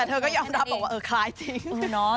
แต่เธอก็ยอมรับบอกว่าเออคล้ายจริง